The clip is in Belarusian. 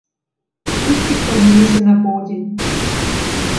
Птушкі крануліся на поўдзень.